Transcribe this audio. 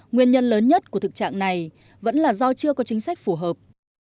nguyên nhân lớn nhất của thực trạng này vẫn là do chưa có chính sách phù hợp